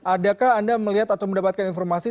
adakah anda melihat atau mendapatkan informasi